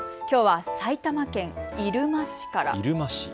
きょうは埼玉県入間市から。